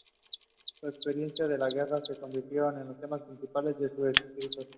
Sus experiencias de la guerra se convirtieron en el tema principal de sus escritos.